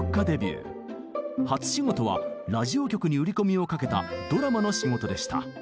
初仕事はラジオ局に売り込みをかけたドラマの仕事でした。